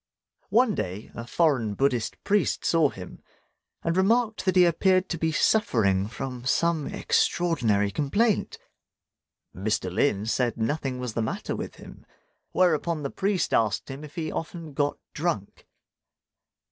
One day a foreign Buddhist priest saw him, and remarked that he appeared to be suffering from some extraordinary complaint. Mr. Lin said nothing was the matter with him; whereupon the priest asked him if he often got drunk.